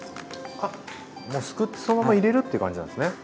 あっすくってそのまま入れるって感じなんですね。